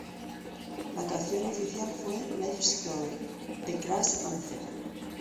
La canción oficial fue "Life Story" de Crash Anthem.